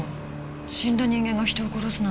死んだ人間が人を殺すなんて。